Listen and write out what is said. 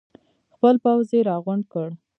خپل پوځ یې راغونډ کړ.